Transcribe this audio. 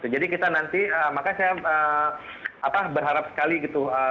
jadi kita nanti makanya saya berharap sekali gitu